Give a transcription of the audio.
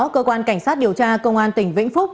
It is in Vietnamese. cơ quan cảnh sát điều tra công an tỉnh vĩnh phúc